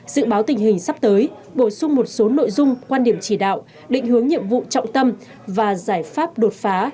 dự báo tình hình sắp tới bổ sung một số nội dung quan điểm chỉ đạo định hướng nhiệm vụ trọng tâm và giải pháp đột phá